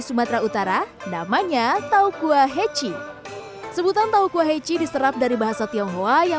sumatera utara namanya tau kuah heci sebutan tau kuah heci diserap dari bahasa tionghoa yang